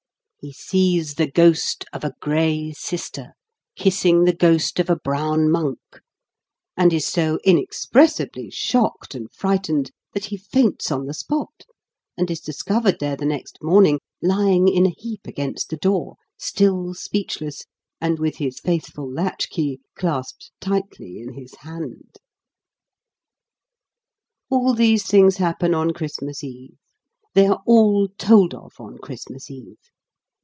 He sees the ghost of a 'grey sister' kissing the ghost of a brown monk, and is so inexpressibly shocked and frightened that he faints on the spot, and is discovered there the next morning, lying in a heap against the door, still speechless, and with his faithful latch key clasped tightly in his hand. All these things happen on Christmas Eve, they are all told of on Christmas Eve.